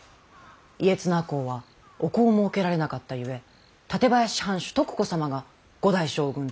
家綱公はお子をもうけられなかったゆえ館林藩主徳子様が五代将軍綱吉公となられたのじゃ。